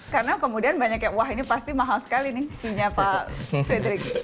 karena kemudian banyak yang wah ini pasti mahal sekali nih fee nya pak frederick